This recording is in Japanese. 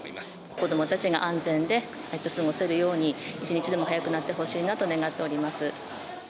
子どもたちが安全で過ごせるように、一日でも早くなってほしいなと願っております。